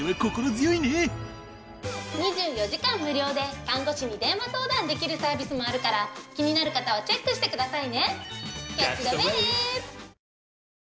２４時間無料で看護師に電話相談できるサービスもあるから気になる方はチェックしてくださいね。